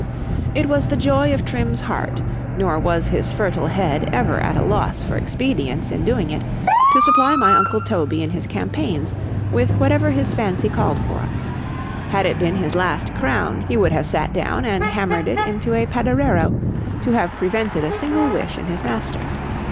It was the joy of Trim's heart, nor was his fertile head ever at a loss for expedients in doing it, to supply my uncle Toby in his campaigns, with whatever his fancy called for; had it been his last crown, he would have sate down and hammered it into a paderero, to have prevented a single wish in his master.